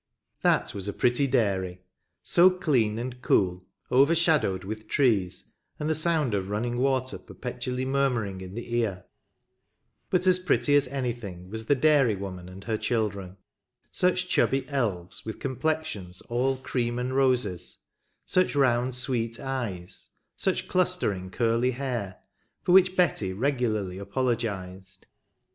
That was a pretty dairy, — so clean and cool, overshadowed with trees, and the sound of running water perpetually murmuring in the ear ; but as pretty as anything was the dairy woman and her children, — such chubby elves, with complexions all " cream and roses," such round sweet eyes, such clustering curly hair, for which Betty regularly apologised.